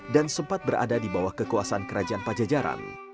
dan sempat berada di bawah kekuasaan kerajaan pajajaran